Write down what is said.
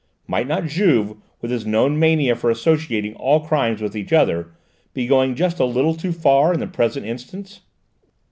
Might not Juve, with his known mania for associating all crimes with each other, be going just a little too far in the present instance?